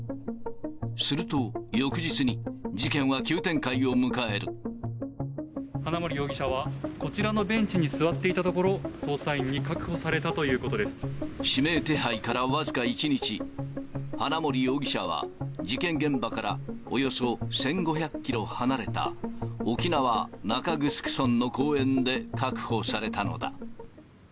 すると、花森容疑者は、こちらのベンチに座っていたところ、捜査員に確保されたというこ指名手配から僅か１日、花森容疑者は事件現場からおよそ１５００キロ離れた、沖縄・中城村の公園で確保されたのだ。